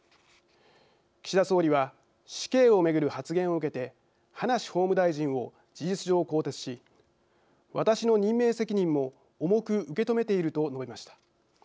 岸田総理は死刑を巡る発言を受けて葉梨法務大臣を事実上更迭し「私の任命責任も重く受け止めている」と述べました。